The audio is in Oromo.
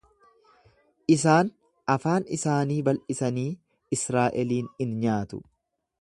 Isaan afaan isaanii bal'isanii Israa'eliin in nyaatu.